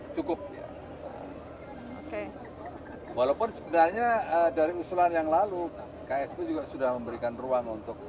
cukup ya oke walaupun sebenarnya dari usulan yang lalu ksp juga sudah memberikan ruang untuk